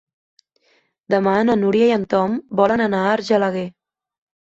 Demà na Núria i en Tom volen anar a Argelaguer.